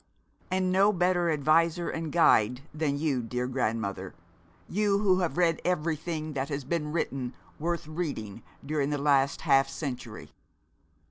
'And no better adviser and guide than you, dear grandmother, you who have read everything that has been written worth reading during the last half century.'